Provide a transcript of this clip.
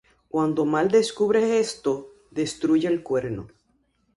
Cuando Mal descubre esto, destruye el cuerno.